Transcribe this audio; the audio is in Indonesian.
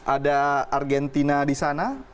ada argentina di sana